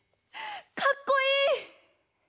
かっこいい！